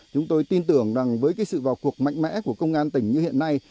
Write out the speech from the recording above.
chúng tôi tin tưởng rằng với sự vào cuộc mạnh mẽ của công an tỉnh như hiện nay